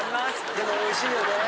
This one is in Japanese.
でもおいしいよね。